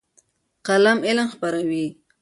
قلم علم خپروي.